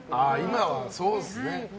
今はそうですね。